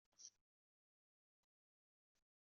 Johnny abeẓẓan yettfafa leqsem.